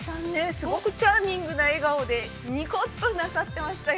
すごくチャーミングな笑顔でにこっと、なさってましたよ。